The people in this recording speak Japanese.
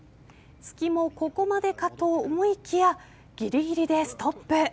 ツキもここまでかと思いきやぎりぎりでストップ。